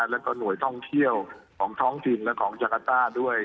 แล้วก็หน่วยท่องเที่ยวของท้องถิ่นและของจักรต้าด้วย